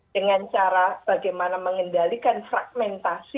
dengan cara bagaimana mengendalikan fragmentasi